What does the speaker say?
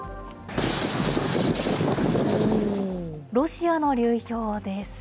ロシアの流氷です。